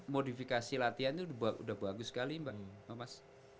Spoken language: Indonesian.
modifikasi latihan itu udah bagus sekali mbak